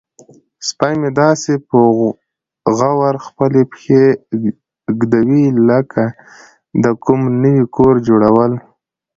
سپی مې داسې په غور خپلې پښې ږدوي لکه د کوم نوي کور جوړول.